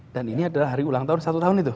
dan ini adalah hari ulang tahun satu tahun itu